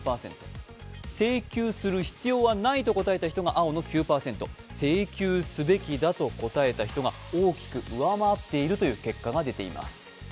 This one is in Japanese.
請求する必要はないと答えた人が青の９％、請求すべきだと答えた人が大きく上回っているという結果が出ています。